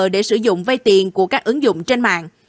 để sử dụng vây tiền của các ứng dụng trên mạng